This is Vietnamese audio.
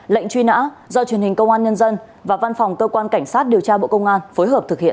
lệnh truy nã do truyền hình công an nhân dân và văn phòng cơ quan cảnh sát điều tra bộ công an phối hợp thực hiện